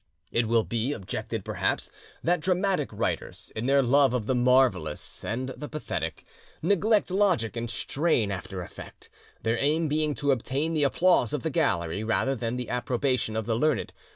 It will, be objected, perhaps, that dramatic writers, in their love of the marvellous and the pathetic, neglect logic and strain after effect, their aim being to obtain the applause of the gallery rather than the approbation of the learned.